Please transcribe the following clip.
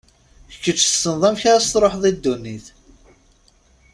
Kečč tessneḍ amek ad as-tṛuḥeḍ i ddunit.